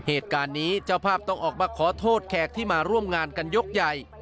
เหตุการณ์นี้เจ้าภาพต้องออกมาขอโทษแขกที่มาร่วมงานกันยกใหญ่